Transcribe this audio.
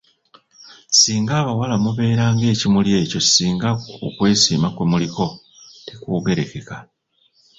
Ssinga abawala mubeera ng'ekimuli ekyo ssinga okwesiima kwe muliko tekwogerekeka.